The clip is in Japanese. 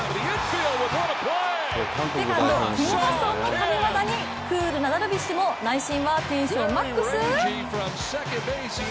セカンド、キム・ハソンの神業にクールなダルビッシュも内心はテンションＭＡＸ？